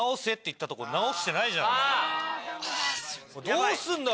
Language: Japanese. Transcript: どうすんだよお前！